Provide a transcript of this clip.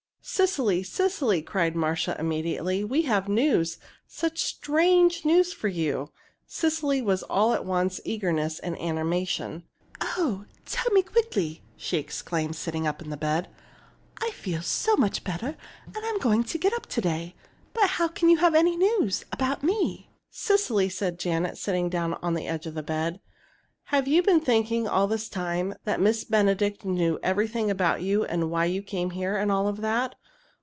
"Cecily, Cecily!" cried Marcia, immediately; "we have news such strange news for you!" Cecily was at once all eagerness and animation. "Oh, tell me, quickly!" she exclaimed, sitting up in the bed. "I feel so much better. I'm going to get up to day. But how can you have any news about me?" "Cecily," said Janet, sitting down on the edge of the bed, "have you been thinking, all this time, that Miss Benedict knew everything about you, and why you came here, and all that?"